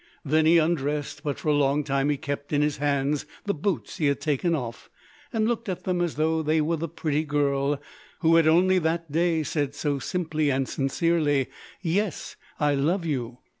Then he undressed, but for a long time he kept in his hands the boots he had taken off, and looked at them as though they were the pretty girl, who had only that day said so simply and sincerely, "Yes! I love you!"